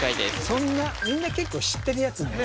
そんなみんな結構知ってるやつだ